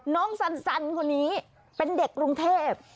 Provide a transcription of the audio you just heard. สันคนนี้เป็นเด็กกรุงเทพ